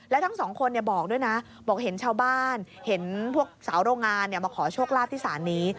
และทั้งสองคนบอกด้วยนะบอกเห็นชาวบ้านเห็นพวกสาวโรงงานมาขอโชคลาภที่ศาลนี้